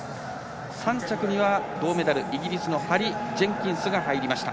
３着には、銅メダルイギリスのハリ・ジェンキンスが入りました。